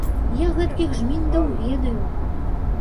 Я гэткіх жміндаў ведаю!